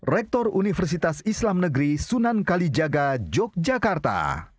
rektor universitas islam negeri sunan kalijaga yogyakarta